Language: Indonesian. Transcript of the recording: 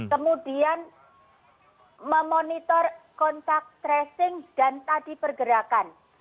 kemudian memonitor kontak tracing dan tadi pergerakan